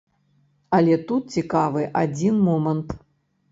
Але тут цікавы адзін момант.